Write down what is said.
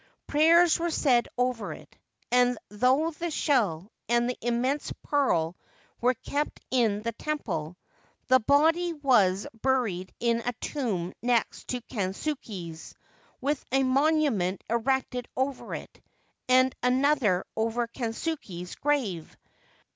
Prayers were said over it, and, though the shell and the immense pearl were kept in the temple, the body was buried in a tomb next to Kansuke's, with a monument erected over it, and another over Kansuke's grave.